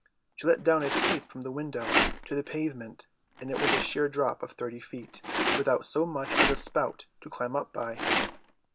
She let down a tape from the window to the pavement, and it was a sheer drop of thirty feet, without so much as a spout to climb up by.